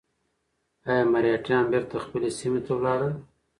ایا مرهټیان بېرته خپلې سیمې ته لاړل؟